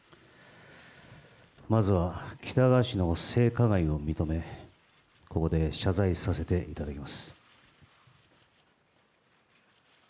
まずは喜多川氏の性加害を認め、ここで謝罪させていただきます。